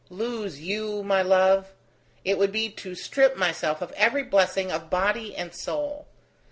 Lose you, my love? it would be to strip myself of every blessing of body and soul.